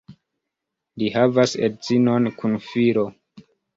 Li havas edzinon kun filo.